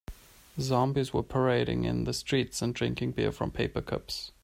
Zombies were parading in the streets and drinking beer from paper cups.